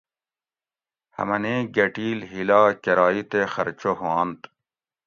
ہمنیں گۤھٹیل ہِیلا کرائی تے خرچہ ہُوانت